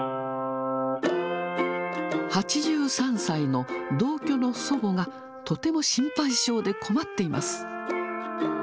８３歳の同居の祖母が、とても心配性で困っています。